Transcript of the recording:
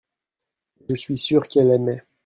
Je suis sûr qu’elle aimait.